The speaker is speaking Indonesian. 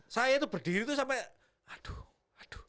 saya itu berdiri itu sampai aduh aduh